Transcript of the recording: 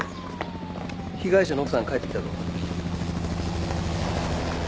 被害者の奥さん帰ってきたぞ。